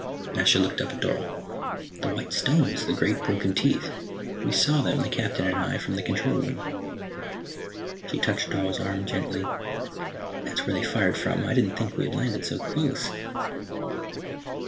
Nasha looked up at Dorle. "The white stones, the great broken teeth. We saw them, the Captain and I, from the control room." She touched Dorle's arm gently. "That's where they fired from. I didn't think we had landed so close."